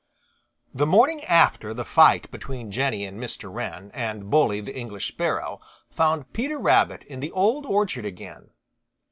The morning after the fight between Jenny and Mr. Wren and Bully the English Sparrow found Peter Rabbit in the Old Orchard again.